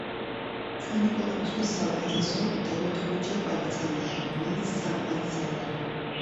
ჩვენი ქვეყნისთვის საუკეთესო, უდავოდ, ხვიჩა კვარაცხელიაა, რომელიც წამყვანი ძალაა,